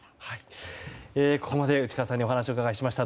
ここまで内川さんにお話をお伺いしました。